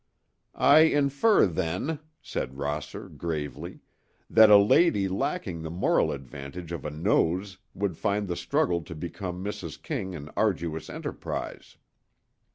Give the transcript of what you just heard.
"I infer, then," said Rosser, gravely, "that a lady lacking the moral advantage of a nose would find the struggle to become Mrs. King an arduous enterprise."